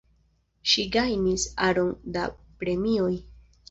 Ŝi gajnis aron da premioj.